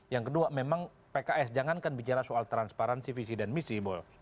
yang kedua memang pks jangankan bicara soal transparansi visi dan misi